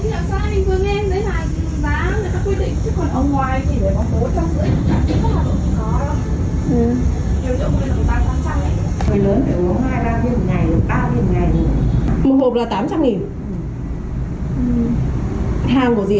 không hiểu sao mình vừa nghe giấy này là giá người ta quyết định chứ còn ở ngoài thì phải có bốn trăm rưỡi